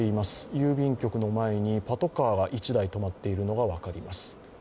郵便局の前にパトカーが１台止まっているのが分かります。